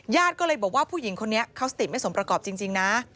ญาติก็เลยบอกว่าผู้หญิงคนนี้เขาสติไม่สมประกอบจริงนะ